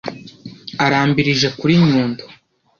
arambirije kuri nyundo,